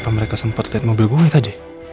apa mereka sempat liat mobil gue aja